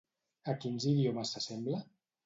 A quins idiomes s'assembla?